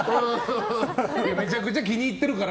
めちゃくちゃ気に入ってるから。